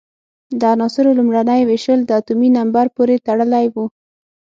د عناصرو لومړنۍ وېشل د اتومي نمبر پورې تړلی وو.